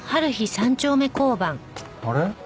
あれ？